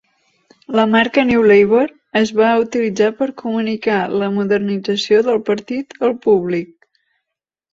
La marca "New Labour" es va utilitzar per comunicar la modernització del partit al públic.